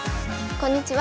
こんにちは。